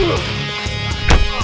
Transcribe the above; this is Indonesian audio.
lo sudah bisa berhenti